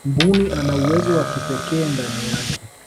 mbuni ana uwezo wa kipekee ndani yake